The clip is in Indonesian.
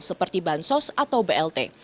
seperti bansos atau blt